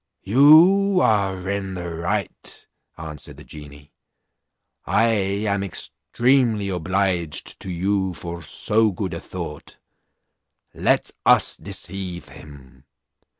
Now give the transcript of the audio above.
"You are in the right," answered the genie; "I am extremely obliged to you for so good a thought; let us deceive him.